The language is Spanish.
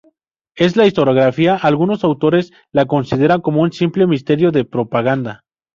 En la historiografía, algunos autores lo consideran como un simple Ministerio de Propaganda.